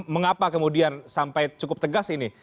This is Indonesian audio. mengapa kemudian sampai cukup tegas ini